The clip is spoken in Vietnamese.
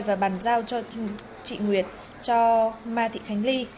và bàn giao cho chị nguyệt cho ma thị khánh ly